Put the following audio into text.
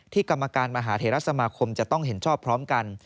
กรรมการมหาเทรสมาคมจะต้องเห็นชอบพร้อมกัน